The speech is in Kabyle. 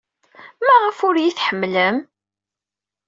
Maɣef ur iyi-tḥemmlem?